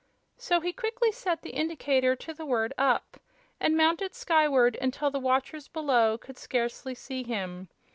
So he quickly set the indicator to the word "up," and mounted sky ward until the watchers below could scarcely see him.